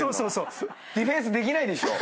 ディフェンスできないでしょ。